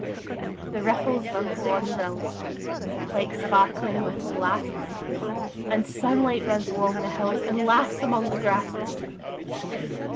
The ripples wimple on the rills, Like sparkling little lasses; The sunlight runs along the hills, And laughs among the grasses.